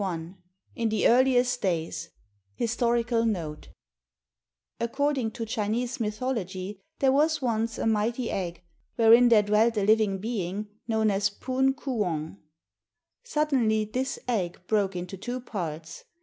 CHINA I IN THE EARLIEST DAYS HISTORICAL NOTE According to Chinese mythology, there was once a mighty egg, wherein there dwelt a living being known as Poon Koo Wong. Suddenly this egg broke into two parts.